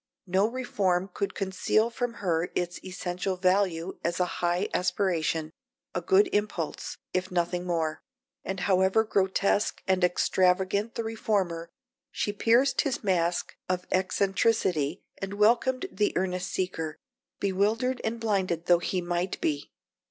No reform could conceal from her its essential value as a high aspiration, a good impulse, if nothing more; and however grotesque and extravagant the reformer, she pierced his mask of eccentricity and welcomed the earnest seeker, bewildered and blinded though he might be.